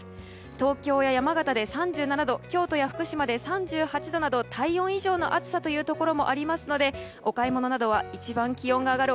東京や山形で３７度京都や福島で３８度など体温以上の暑さというところもありそうなのでお買い物などは一番気温が上がる